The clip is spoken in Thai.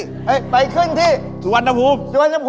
จะไปขึ้นที่สุวรรณภูมิ